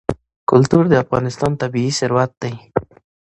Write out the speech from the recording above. کلتور د افغانستان طبعي ثروت دی.